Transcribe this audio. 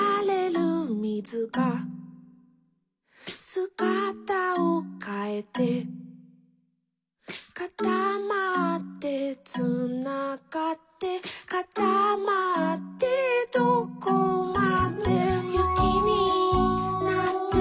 「すがたをかえて」「かたまってつながって」「かたまってどこまでも」「ゆきになって」